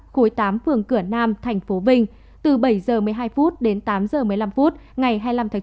khối tám phường cửa nam thành phố vinh từ bảy h một mươi hai đến tám h một mươi năm phút ngày hai mươi năm tháng chín